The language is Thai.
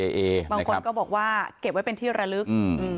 บางคนก็บอกว่าเก็บไว้เป็นที่ระลึก